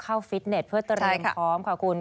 เข้าฟิตเนตเพื่อเตรียมพร้อมความขอบคุณ